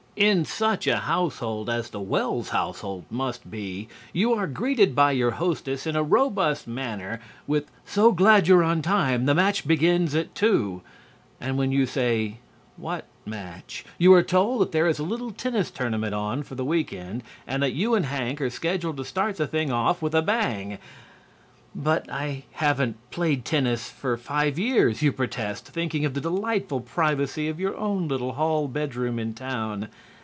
In such a household as the Wells household must be you are greeted by your hostess in a robust manner with "So glad you're on time. The match begins at two." And when you say "What match," you are told that there is a little tennis tournament on for the week end and that you and Hank are scheduled to start the thing off with a bang. "But I haven't played tennis for five years," you protest, thinking of the delightful privacy of your own little hall bedroom in town.